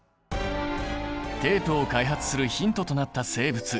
テープを開発するヒントとなった生物。